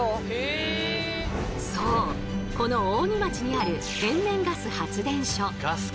そうこの扇町にある天然ガス発電所。